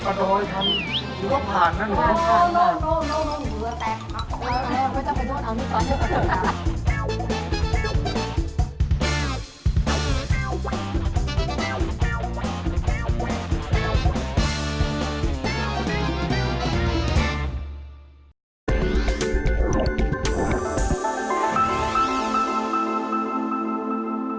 ไม่ต้องไปโดนเอาหนึ่งก่อน